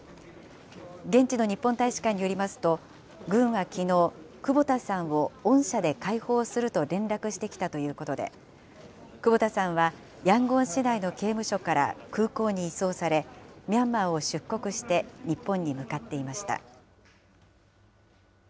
現地の日本大使館によりますと、軍はきのう、久保田さんを恩赦で解放すると連絡してきたということで、久保田さんはヤンゴン市内の刑務所から空港に移送され、ミャンマーを出国して日本に向かっていました。